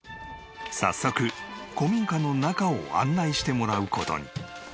早速古民家の中を案内してもらう事に。